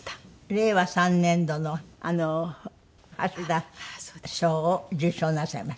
令和３年度の橋田賞を受賞なさいました。